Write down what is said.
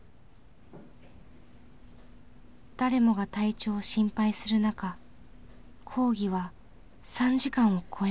誰もが体調を心配する中講義は３時間を超えました。